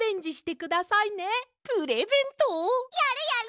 やるやる！